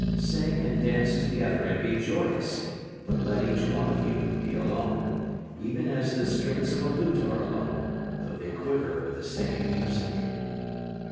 Sing and dance together and be joyous, but let each one of you be alone, Even as the strings of a lute are alone though they quiver with the same music.